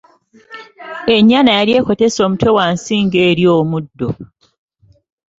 Ennyana yali ekotese omutwe wansi nga’erya omuddo.